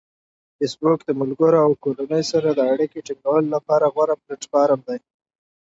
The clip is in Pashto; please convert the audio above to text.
فېسبوک د ملګرو او کورنۍ سره د اړیکې ټینګولو لپاره غوره پلیټفارم دی.